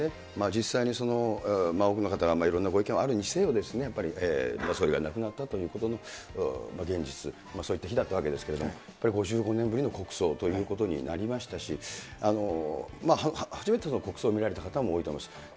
実際に多くの方が、いろんなご意見があるにせよ、総理が亡くなったことの現実、そういった日だったわけですけれども、やっぱり５５年ぶりの国葬ということになりましたし、初めて国葬を見られた方も多いかもしれない。